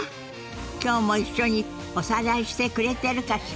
今日も一緒におさらいしてくれてるかしら？